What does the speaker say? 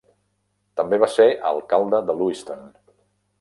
També va ser alcalde de Lewiston.